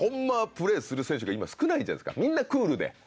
プレーする選手が今少ないじゃないですかみんなクールで。